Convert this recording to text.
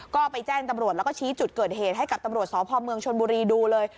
ก็ไปแจ้งตำรวจแล้วก็ชี้จุดเกิดเหตุให้กับตำรวจสพเมืองชนบุรีดูเลย